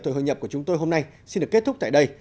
thời hội nhập của chúng tôi hôm nay xin được kết thúc tại đây